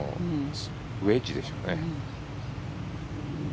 ウェッジでしょうね。